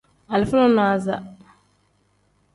Alifa nonaza.